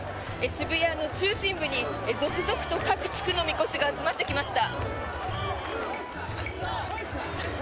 渋谷の中心部に続々と各地区のみこしが集まってきました。